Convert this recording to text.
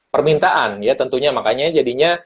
permintaan ya tentunya makanya jadinya